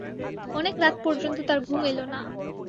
অনেক রাত পর্যন্ত তাঁর ঘুম এল না।